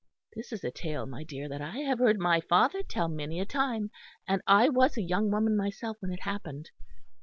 This is a tale, my dear, that I have heard my father tell many a time; and I was a young woman myself when it happened.